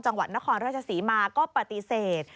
จังหวัดนครราชศรีมาก็ปฏิเสธ